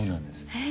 へえ。